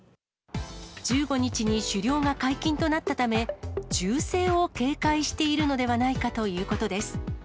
１５日に狩猟が解禁となったため、銃声を警戒しているのではないかということです。